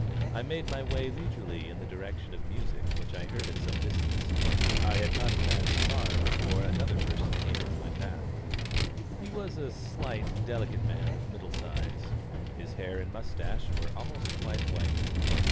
I made my way leisurely in the direction of music which I heard at some distance. I had not advanced far before another person came into my path. He was a slight, delicate man of middle size. His hair and moustache were almost quite white.